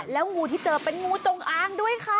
แล้วงูที่เจอเป็นงูจงอางด้วยค่ะ